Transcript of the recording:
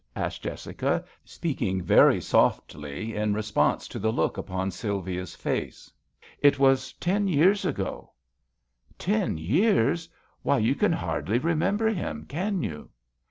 asked Jessica, speaking very softly, in response to the look upon Sylvia's face. " It was ten years ago." " Ten years ! Why you can hardly remember him, can you?"